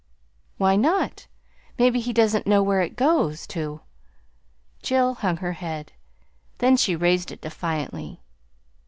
"Why not? Maybe he doesn't know where it goes to." Jill hung her head. Then she raised it defiantly.